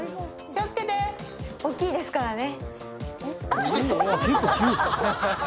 大きいですからね。